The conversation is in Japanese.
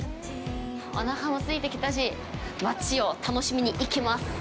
おなかもすいてきたし街を楽しみに行きます。